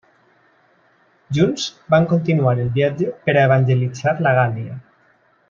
Junts, van continuar el viatge per a evangelitzar la Gàl·lia.